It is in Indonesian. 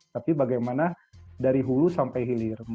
tapi bagaimana dari hulu sampai hilir